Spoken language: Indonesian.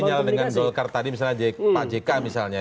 tapi kalau sinyal dengan jokowi tadi misalnya pak jk misalnya